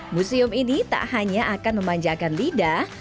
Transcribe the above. museum ini tak hanya akan memanjakan lidah